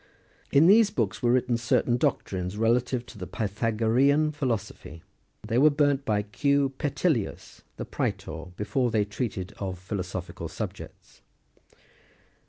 In these books were written certain doctrines relative to the Pythagorean philosophy ; they were burnt by Q. Petilius, the prsetor, because they treated of philosophical subjects."